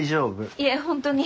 いえ本当に。